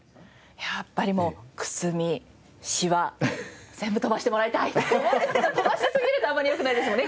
やっぱりもうくすみしわ全部飛ばしてもらいたいって思うんですけど飛ばしすぎるとあんまり良くないですもんね。